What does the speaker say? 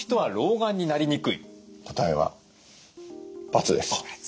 答えは×です。